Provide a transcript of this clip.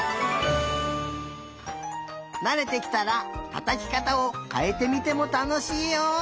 なれてきたらたたきかたをかえてみてもたのしいよ！